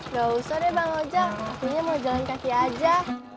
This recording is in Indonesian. gak usah deh bang ojek apinya mau jalan kaki aja